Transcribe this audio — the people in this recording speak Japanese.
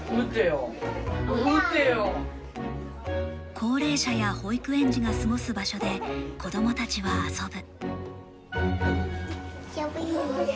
高齢者や保育園児が過ごす場所で子供たちは遊ぶ。